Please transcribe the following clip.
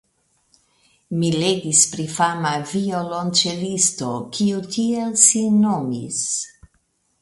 Mi legis pri fama violonĉelisto, kiu tiel sin nomis.